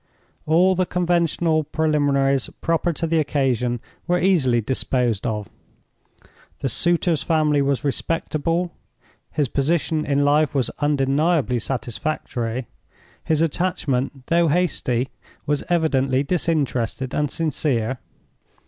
All the conventional preliminaries proper to the occasion were easily disposed of. The suitor's family was respectable; his position in life was undeniably satisfactory; his attachment, though hasty, was evidently disinterested and sincere.